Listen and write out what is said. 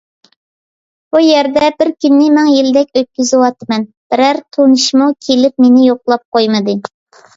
بۇ يەردە بىر كۈننى مىڭ يىلدەك ئۆتكۈزۈۋاتىمەن، بىرەر تونۇشمۇ كېلىپ مېنى يوقلاپ قويمىدى.